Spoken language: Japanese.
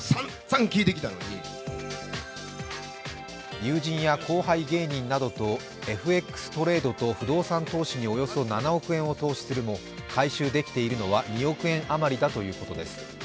友人や後輩芸人などとＦＸトレードと不動産投資におよそ７億円を投資するなど回収できているのは２億円余りだということです。